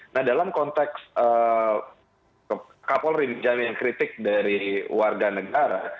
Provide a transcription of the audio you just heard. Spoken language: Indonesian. nah dalam konteks kapolri jaminan kritik dari warga negara